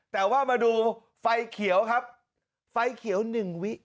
แต่ว่ามาดูไฟเขียวครับไฟเขียว๑วิ